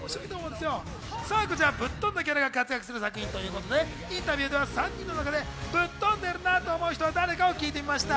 ぶっ飛んだキャラが活躍する作品ということで、インタビューでは３人の中でぶっ飛んでるなと思う人は誰かを聞いてみました。